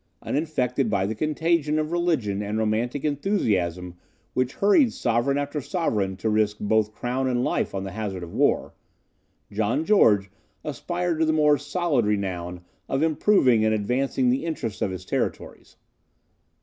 Uninfected by the contagion of religious and romantic enthusiasm which hurried sovereign after sovereign to risk both crown and life on the hazard of war, John George aspired to the more solid renown of improving and advancing the interests of his territories.